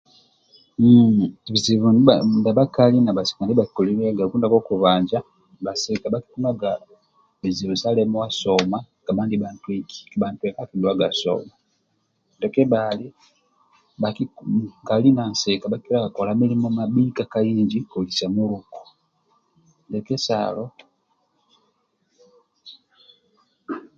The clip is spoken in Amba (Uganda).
bizibu ndia bakali na basika ndiba kikolilyagaku ndia kokubanja basika baki tunganga bizibu da lemuwa soma nibantweki kaba ntweka akinuwaga soma ndia kebali bakali basika bakikolaga mulimo mabika ndia kahinji kolisa muluku ndia kesalo